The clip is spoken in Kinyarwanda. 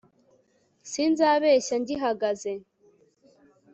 sinzabeshya ngihagaze